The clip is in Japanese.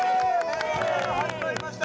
始まりました